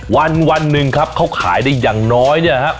วันนึงครับเขาขายได้อย่างน้อยเนี่ยฮะ